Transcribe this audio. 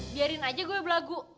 biarin aja gue belagu